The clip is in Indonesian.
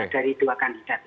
dari dua kandidat